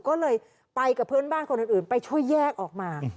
ก็เลยไปกับเพื่อนบ้านคนอื่นไปช่วยแยกออกมา